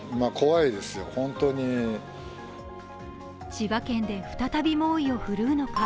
千葉県で再び猛威を振るうのか。